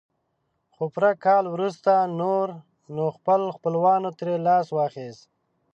خو پوره کال وروسته نور نو خپل خپلوانو ترې لاس واخيست.